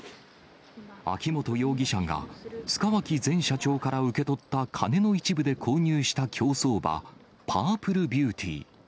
秋本容疑者が塚脇前社長から受け取った金の一部で購入した競走馬、パープルビューティ。